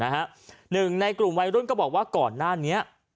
หนึ่งในกลุ่มวัยรุ่นก็บอกว่าก่อนหน้านี้